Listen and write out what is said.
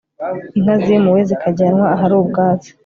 inka zimuwe zikajyanwa ahari ubwatsi